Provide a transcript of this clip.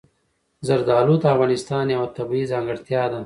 زردالو د افغانستان یوه طبیعي ځانګړتیا ده.